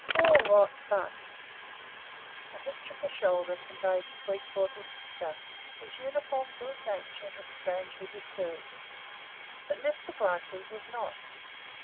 All rot, but " A hitch of the shoulder conveyed Sweetwater's disgust. His uniform good nature was strangely disturbed. But Mr. Gryce's was not.